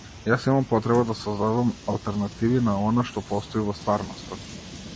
Јас имам потреба да создавам алтернативи на она што постои во стварноста.